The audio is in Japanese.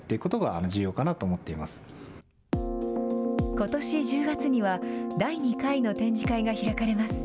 ことし１０月には第２回の展示会が開かれます。